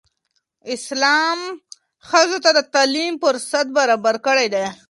اسلام ښځو ته د تعلیم فرصت برابر کړی دی.